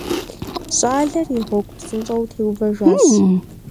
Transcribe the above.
ЩӀалэр и гъуэгу псынщӀэу теувэжащ.